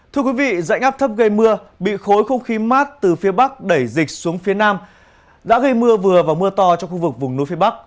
thưa quý vị dạnh áp thấp gây mưa bị khối không khí mát từ phía bắc đẩy dịch xuống phía nam đã gây mưa vừa và mưa to cho khu vực vùng núi phía bắc